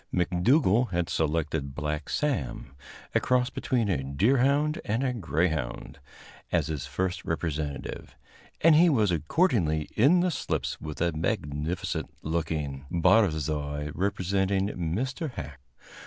McDougall had selected Black Sam, a cross between a deerhound and a greyhound, as his first representative, and he was accordingly in the slips with a magnificent looking barzoi representing Mr. Hacke.